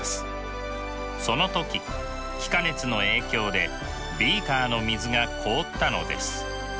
その時気化熱の影響でビーカーの水が凍ったのです。